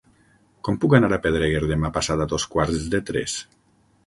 Com puc anar a Pedreguer demà passat a dos quarts de tres?